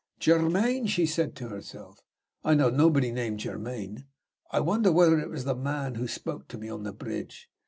'Germaine?' she said to herself; 'I know nobody named Germaine; I wonder whether it was the man who spoke to me on the bridge?'